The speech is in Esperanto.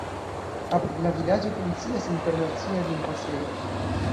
Apud la vilaĝo funkcias internacia limpasejo.